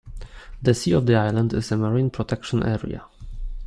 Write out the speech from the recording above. The sea of the island is a Marine Protection Area.